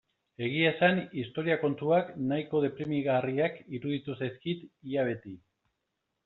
Egia esan historia kontuak nahiko deprimigarriak iruditu zaizkit ia beti.